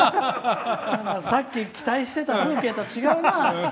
さっき期待してた風景と違うな！